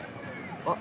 あっ。